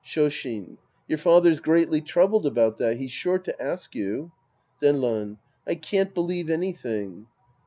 Shoshin. Your father's greatly troubled about that. He's sure to ask you. Zenran. I can't believe anything.